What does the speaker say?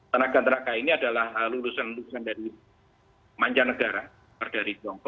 tanaga tanaga ini adalah lulusan lulusan dari mancanegara